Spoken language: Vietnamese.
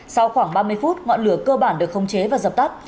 sau khoảng ba mươi phút ngọn lửa cơ bản được không chế và dập tắt